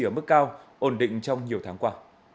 ở mức cao ổn định trong nhiều tháng qua